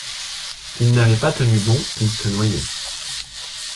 S’il n’avait pas tenu bon il se noyait.